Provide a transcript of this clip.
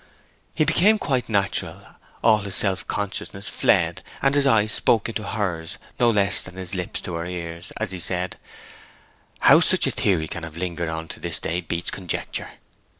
He became quite natural, all his self consciousness fled, and his eye spoke into hers no less than his lips to her ears, as he said, 'How such a theory can have lingered on to this day beats conjecture!